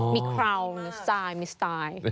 มีคราวมีสไตล์มีสไตล์